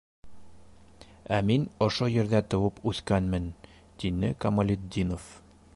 Ә мин ошо ерҙә тыуып үҫкәнмен, - тине Камалетдинов.